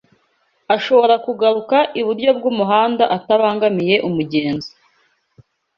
ashobora kugaruka iburyo bw'umuhanda atabangamiye umugenzi